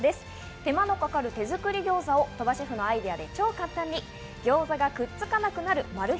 手間のかかる手作りギョーザを鳥羽シェフのアイデアで超簡単にギョーザがくっつかなくなるマル秘